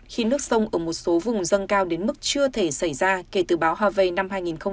khiến nước sông ở một số vùng dâng cao đến mức chưa thể xảy ra kể từ báo harvey năm hai nghìn một mươi bảy